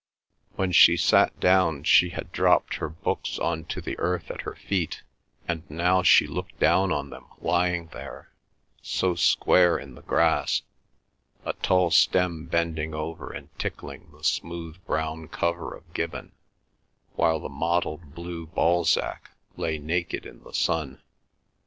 When she sat down she had dropped her books on to the earth at her feet, and now she looked down on them lying there, so square in the grass, a tall stem bending over and tickling the smooth brown cover of Gibbon, while the mottled blue Balzac lay naked in the sun.